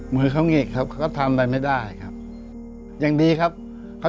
มือเขาหงิกครับเขาก็ทำอะไรไม่ได้ครับอย่างดีครับเขา